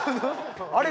あれ？